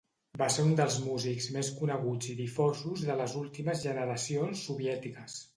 Va ser un dels músics més coneguts i difosos de les últimes generacions soviètiques.